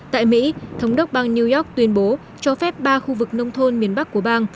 tại mỹ thống đốc bang new york tuyên bố cho phép ba khu vực nông thôn miền bắc của bang